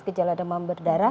gejala demam berdarah